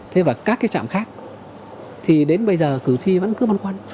thế và các cái trạm khác thì đến bây giờ cử tri vẫn cứ băn khoăn